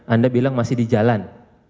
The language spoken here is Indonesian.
anda bilang masih di jalan